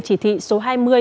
chỉ thị số hai mươi